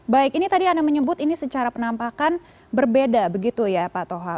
baik ini tadi anda menyebut ini secara penampakan berbeda begitu ya pak toha